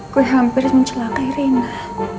gue hampir mencelakai rena